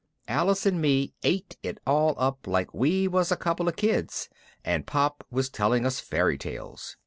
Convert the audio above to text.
Alice and me ate it all up like we was a couple of kids and Pop was telling us fairy tales.